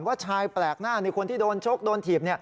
ว่าชายแปลกหน้าในคนที่โดนชกโดนถีบ